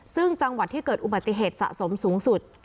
ซึ่งจังหวัดที่เกิดอุบัติเหตุสะสมสูงสุด